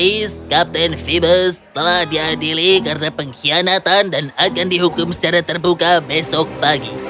kepala penjaga kota paris kapten phoebus telah diadili karena pengkhianatan dan akan dihukum secara terbuka besok pagi